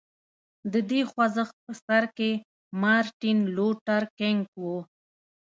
د دې خوځښت په سر کې مارټین لوټر کینګ و.